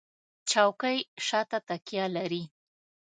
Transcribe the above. چوکۍ شاته تکیه لري.